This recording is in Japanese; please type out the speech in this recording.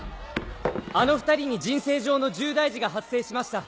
あの２人に人生上の重大事が発生しました。